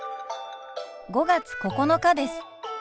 ５月９日です。